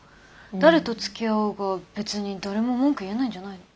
誰とつきあおうが別に誰も文句言えないんじゃないの？